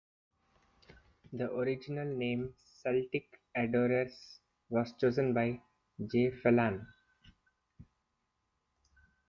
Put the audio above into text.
The original name, "Celtic Adorers", was chosen by J. Phelan.